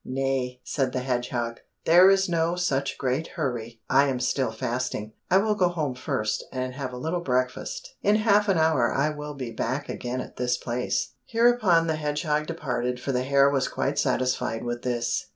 "Nay," said the hedgehog, "there is no such great hurry! I am still fasting, I will go home first, and have a little breakfast. In half an hour I will be back again at this place." Hereupon the hedgehog departed, for the hare was quite satisfied with this.